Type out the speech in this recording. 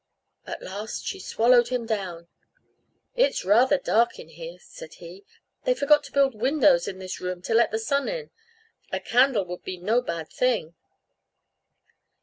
At last she swallowed him down. "It is rather dark here," said he; "they forgot to build windows in this room to let the sun in; a candle would be no bad thing."